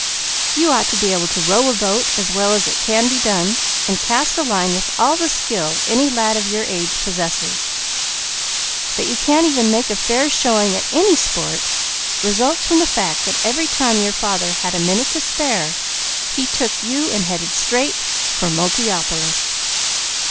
You ought to be able to row a boat as well as it can be done, and cast a line with all the skill any lad of your age possesses. That you can't make even a fair showing at any sport, results from the fact that every time your father had a minute to spare he took you and headed straight for Multiopolis.